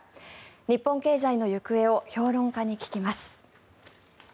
日本経済の行方を評論家に聞きます。